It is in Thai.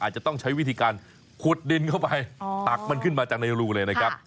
อาจจะต้องใช้วิธีการขุดดินเข้าไปตักมันขึ้นมาจากในรูเลยนะครับ